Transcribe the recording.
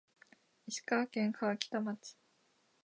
石川県川北町